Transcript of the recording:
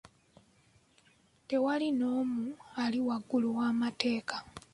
Tewali n'omu ali waggulu w'amateeka.